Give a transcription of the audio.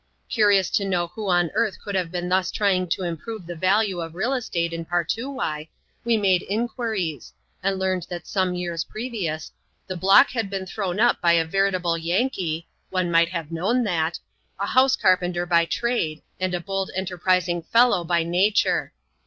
Curious to know who on earth could have been thus trying to improve the value of real estate in Partoowye, we made inquiries ; and learned that some years previous, the block had been thrown up by a veritable Yankee (one might have known that), a house carpenter by trade, and a bold enter prising fellow by nature.